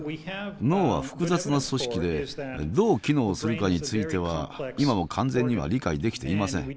脳は複雑な組織でどう機能するかについては今も完全には理解できていません。